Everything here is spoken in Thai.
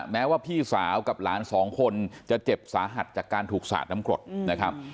แม้ว่าพี่สาวกับหลานสองคนจะเจ็บสาหัสจากการถูกสาดน้ำกรดนะครับ